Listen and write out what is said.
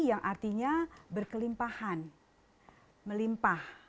yang artinya berkelimpahan melimpah